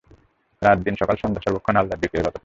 রাত-দিন সকাল-সন্ধ্যা সর্বক্ষণ আল্লাহর যিকিরে রত থাকেন।